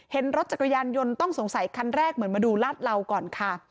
เห็นรถจักรยานยนต์ต้องสงสัยคันแรกเหมือนมาดูลาดเหลาก่อนค่ะ